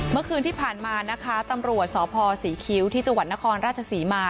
เมื่อคืนที่ผ่านมานะคะตำรวจสพศรีคิ้วที่จังหวัดนครราชศรีมา